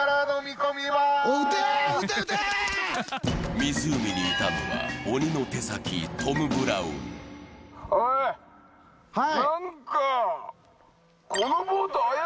湖にいたのは、鬼の手先トム・ブラウン。